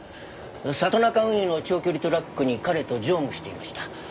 里中運輸の長距離トラックに彼と乗務していました。